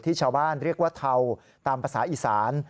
ชาวบ้านเรียกว่าเทาตามภาษาอีสาน